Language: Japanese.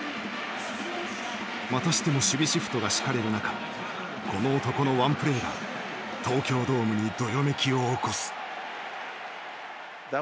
またしても守備シフトが敷かれる中この男のワンプレイが東京ドームにどよめきを起こす。